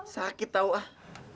sakit tau ah